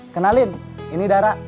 kenalin ini dara